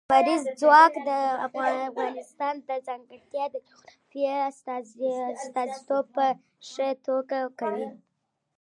لمریز ځواک د افغانستان د ځانګړي جغرافیې استازیتوب په ښه توګه کوي.